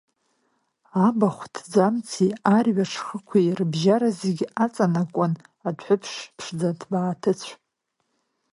Абахә ҭӡамци арҩаш хықәи рыбжьара зегьы аҵанакуан адәҳәыԥш ԥшӡа ҭбааҭыцә.